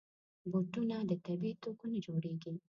بوټونه د طبعي توکو نه جوړېږي.